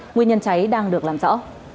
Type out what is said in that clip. nguyên nhân cháy đang được làm rõ